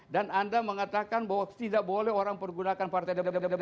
dan anda mengatakan bahwa tidak boleh orang menggunakan partai demokrasi kecuali anda